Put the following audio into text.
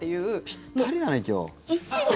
ぴったりだね、今日。